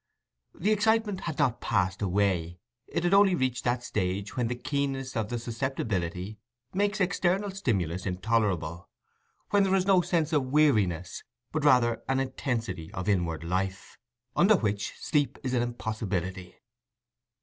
The excitement had not passed away: it had only reached that stage when the keenness of the susceptibility makes external stimulus intolerable—when there is no sense of weariness, but rather an intensity of inward life, under which sleep is an impossibility.